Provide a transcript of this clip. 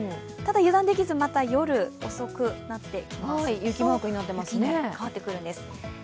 ただ、油断できず、夜遅くなってきますと雪に変わってくるんです。